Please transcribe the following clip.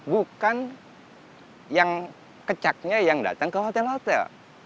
bukan yang kecaknya yang datang ke hotel hotel